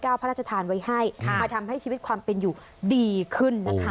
พระราชทานไว้ให้มาทำให้ชีวิตความเป็นอยู่ดีขึ้นนะคะ